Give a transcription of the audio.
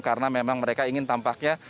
karena memang mereka ingin tampaknya